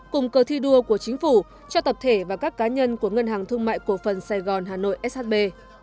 cùng cờ thi đua của chính phủ cho tập thể và các cá nhân của ngân hàng thương mại cổ phần sài gòn hà nội shb